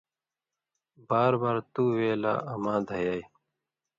بار بار تُو وے لا اما دھیای۔